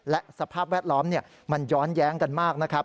และสภาพแวดล้อมมันย้อนแย้งกันมากนะครับ